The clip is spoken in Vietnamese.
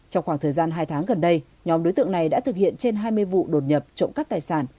trong khoảng thời gian hai tháng gần đây nhóm đối tượng này đã thực hiện trên hai mươi vụ đột nhập trộm cắp tài sản